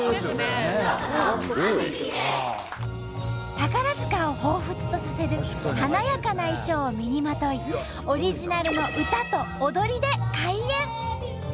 宝塚をほうふつとさせる華やかな衣装を身にまといオリジナルの歌と踊りで開演！